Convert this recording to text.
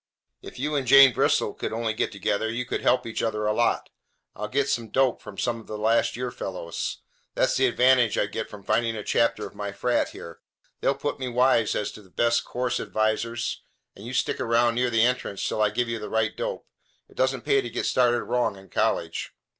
If you and Jane Bristol could only get together, you could help each other a lot. I'll get some dope from some of the last year fellows. That's the advantage I get from finding a chapter of my frat here. They'll put me wise as to the best course advisers, and you stick around near the entrance till I give you the right dope. It doesn't pay to get started wrong in college."